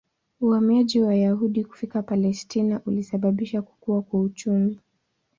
Uhamiaji wa Wayahudi kufika Palestina ulisababisha kukua kwa uchumi.